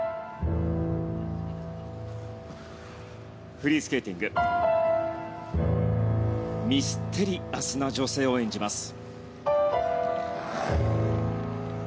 フリースケーティングミステリアスな女性を演じます。